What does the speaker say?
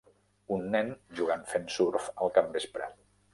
Un nen jugant fent surf al capvespre.